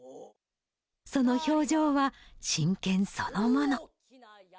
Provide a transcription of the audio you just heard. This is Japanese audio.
その表情は真剣そのもの。